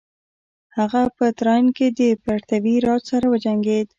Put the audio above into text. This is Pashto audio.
هغه په تراین کې د پرتیوي راج سره وجنګید.